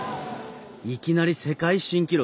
いきなり世界新記録。